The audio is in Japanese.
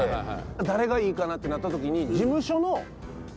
誰がいいかなってなったときに。